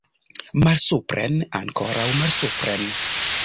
Malsupren, ankoraŭ malsupren!